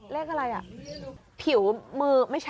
เล่กอะไรอ่ะ